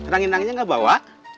rangin ranginnya gak bawa